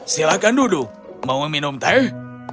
silahkan duduk mau minum teh